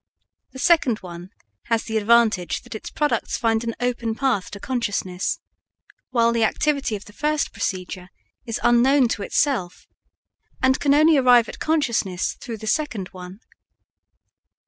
The second one has the advantage that its products find an open path to consciousness, whilst the activity of the first procedure is unknown to itself, and can only arrive at consciousness through the second one.